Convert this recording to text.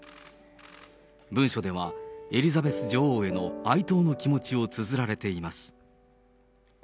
文書ではエリザベス女王への哀悼の気持ちをつづられています。